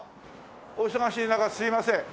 お忙しい中すみません。